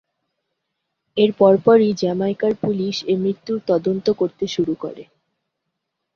এর পরপরই জ্যামাইকার পুলিশ এ মৃত্যুর তদন্ত করতে শুরু করে।